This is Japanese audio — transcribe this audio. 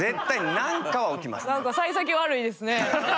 何かさい先悪いですね。